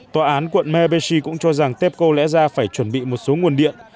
tòa án quận mebeshi cũng cho rằng tepco lẽ ra phải chuẩn bị một số nguồn điện